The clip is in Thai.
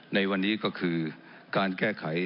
ในวันนี้ก็คือการแก้ไข